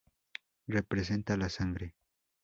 Representa la sangre.